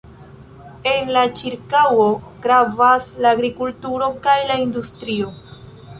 En la ĉirkaŭo gravas la agrikulturo kaj la industrio.